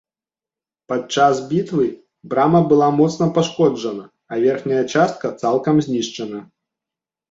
Падчас бітвы брама была моцна пашкоджана, а верхняя частка цалкам знішчана.